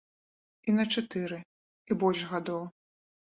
І на чатыры, і больш гадоў.